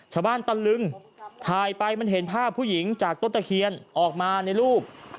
ตะลึงถ่ายไปมันเห็นภาพผู้หญิงจากต้นตะเคียนออกมาในรูป